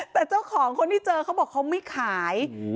แต่เจ้าของคนที่เจอเขาบอกเขาไม่ขาย